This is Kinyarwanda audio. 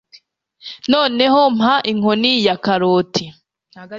Noneho mpa inkoni ya karoti